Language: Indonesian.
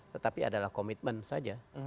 tetapi adalah komitmen saja